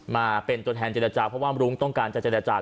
มาเป็นตัวแทนเจรจาเพราะว่ารุ้งต้องการจะเจรจา